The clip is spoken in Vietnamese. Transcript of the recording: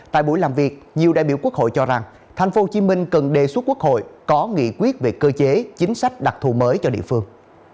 tại buổi làm việc nhiều đại biểu quốc hội cho rằng tp hcm cần đề xuất quốc hội có nghị quyết về cơ chế chính sách đặc thù mới cho địa phương